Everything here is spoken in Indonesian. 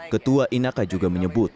ketua inaka juga menyebut